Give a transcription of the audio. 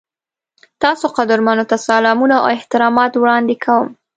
تاسو قدرمنو ته سلامونه او احترامات وړاندې کوم.